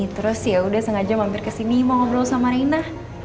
terus ya udah sengaja mampir ke sini mau ngobrol sama rena